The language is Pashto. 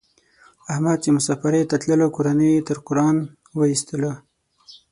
احمد چې مسافرۍ ته تللو کورنۍ یې تر قران و ایستلا.